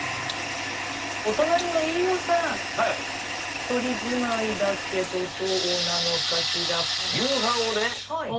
ひとり住まいだけどどうなのかしら？